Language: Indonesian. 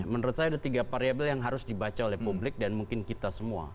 menurut saya ada tiga variable yang harus dibaca oleh publik dan mungkin kita semua